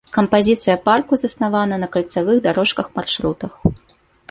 Кампазіцыя парку заснавана на кальцавых дарожках-маршрутах.